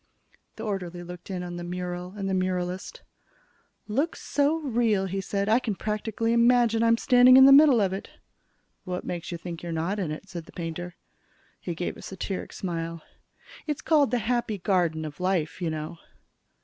The orderly looked in at the mural and the muralist. "Looks so real," he said, "I can practically imagine I'm standing in the middle of it." "What makes you think you're not in it?" said the painter. He gave a satiric smile. "It's called 'The Happy Garden of Life,' you know."